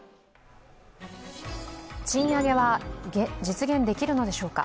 賃上げは実現できるのでしょうか。